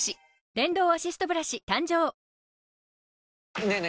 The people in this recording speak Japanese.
電動アシストブラシ誕生ねえね